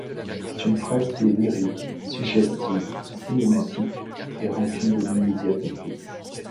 C'est une phrase qui est lyrique, suggestive, cinématique, et rempli de l'immédiateté.